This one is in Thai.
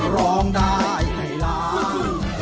ร้องได้ให้ล้าน